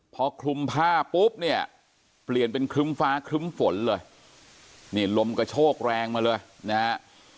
พอคลุมผ้าปุ๊บเนี่ยเปลี่ยนเป็นครึ้มฟ้าครึ้มฝนเลยนี่ลมกระโชกแรงมาเลยนะฮะ